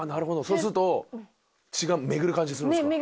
そうすると血が巡る感じするんですか？